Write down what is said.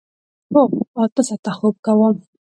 هو، اته ساعته خوب کوم